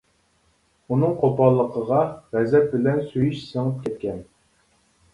ئۇنىڭ قوپاللىقىغا غەزەپ بىلەن سۆيۈش سىڭىپ كەتكەن.